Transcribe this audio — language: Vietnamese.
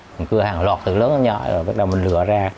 mình cưa hàng lọt từ lớn đến nhỏ rồi bắt đầu mình lửa ra